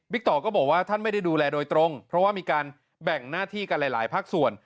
ต่อก็บอกว่าท่านไม่ได้ดูแลโดยตรงเพราะว่ามีการแบ่งหน้าที่กันหลายภาคส่วน